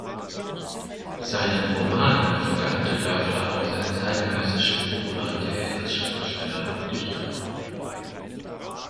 Seinen Romanen verdankte Dörfler auch seine zeitgenössische Popularität als Schriftsteller und Dichter.